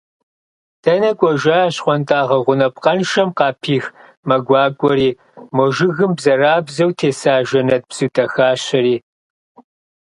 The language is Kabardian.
Дэнэ кӏуэжа щхъуантӏагъэ гъунапкъэншэм къапих мэ гуакӏуэри, мо жыгым бзэрабзэу теса жэнэт бзу дахащэри…